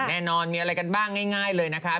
แน่นอนมีอะไรกันบ้างง่ายเลยนะคะ